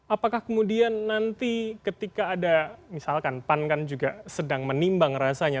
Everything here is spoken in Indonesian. apakah kemudian nanti ketika ada misalkan pan kan juga sedang menimbang rasanya